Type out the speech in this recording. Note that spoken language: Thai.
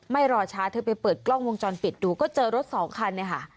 รอช้าเธอไปเปิดกล้องวงจรปิดดูก็เจอรถสองคันเนี่ยค่ะ